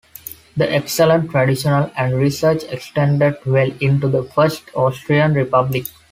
The excellent tradition and research extended well into the First Austrian Republic.